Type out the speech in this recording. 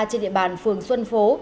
trên địa bàn phường xuân phú